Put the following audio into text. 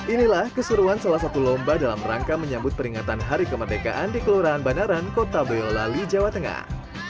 inilah keseruan salah satu lomba dalam rangka menyambut peringatan hari kemerdekaan di kelurahan banaran kota boyolali jawa tengah